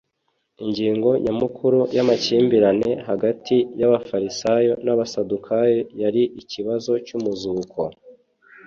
Ingingo nyamukuru y'amakimbirane hagati y'abafarisayo n'abasadukayo yari ikibazo cy'umuzuko.